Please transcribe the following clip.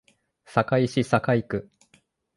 堺市堺区